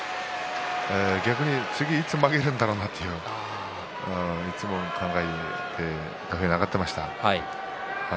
逆に、次いつ負けるんだろうなといつも考えて土俵に上がっていました。